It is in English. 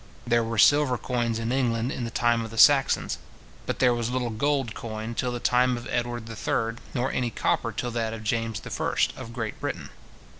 There were silver coins in England in the time of the Saxons; but there was little gold coined till the time of Edward III nor any copper till that of James I. of Great Britain.